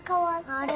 あれ？